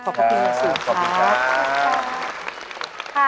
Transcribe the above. ขอขอบคุณมากสิครับ